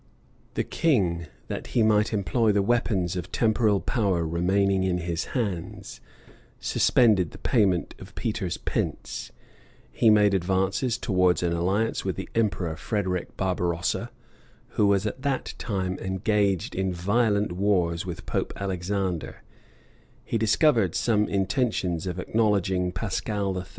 The king, that he might employ the weapons of temporal power remaining in his hands, suspended the payment of Peter's pence; he made advances towards an alliance with the emperor Frederic Barbarossa, who was at that time engaged in violent wars with Pope Alexander; he discovered some intentions of acknowledging Pascal III.